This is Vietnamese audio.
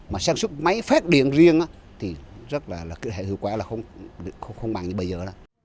mà sản xuất máy phát điện riêng thì rất là hiệu quả là không bằng như bây giờ